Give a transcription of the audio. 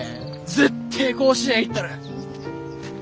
絶対甲子園行ったる！